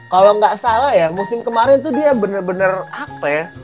kalau nggak salah ya musim kemarin tuh dia bener bener apa ya